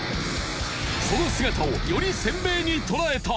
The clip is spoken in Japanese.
その姿をより鮮明に捉えた！